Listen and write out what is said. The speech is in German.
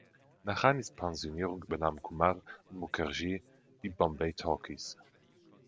Nach Ranis Pensionierung übernahmen Kumar und Mukherjee die Bombay Talkies.